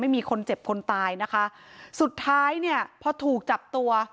ไม่มีคนเจ็บคนตายนะคะสุดท้ายเนี่ยพอถูกจับตัว